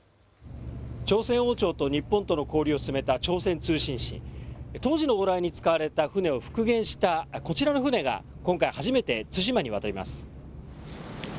朝鮮王朝と日本との交流を進めた朝鮮通信使、当時の往来に使われた船を復元したこちらの船が今回初めて対馬に渡ります。